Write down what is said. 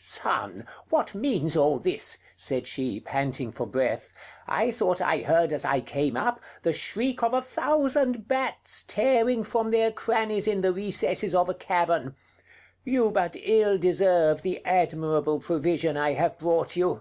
"Son! what means all this?" said she, panting for breath. "I thought I heard as I came up, the shriek of a thousand bats, tearing from their crannies in the recesses of a cavern.... You but ill deserve the admirable provision I have brought you."